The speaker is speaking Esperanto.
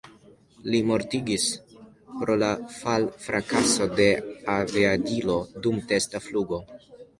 Li mortigis pro fal-frakaso de aviadilo dum testa flugo.